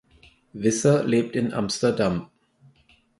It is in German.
Visser lebt in Amsterdam.